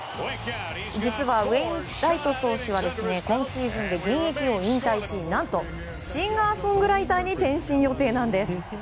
実は、ウェインライト投手は今シーズンで現役を引退し何とシンガーソングライターに転身予定なんです。